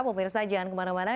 pemirsa jangan kemana mana